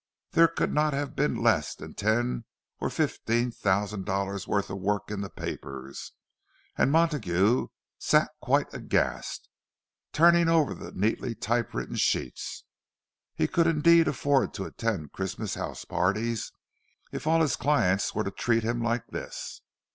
There could not have been less than ten or fifteen thousand dollars' worth of work in the papers; and Montague sat quite aghast, turning over the neatly typewritten sheets. He could indeed afford to attend Christmas house parties, if all his clients were to treat him like this!